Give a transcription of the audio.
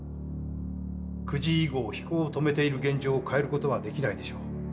９時以後飛行を止めている現状を変えることはできないでしょう。